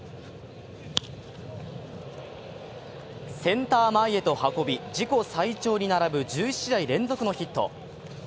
センター前へと運び自己最長に並ぶ１１試合連続のヒット。